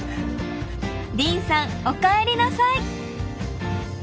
凜さんおかえりなさい！